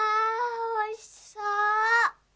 おいしそう。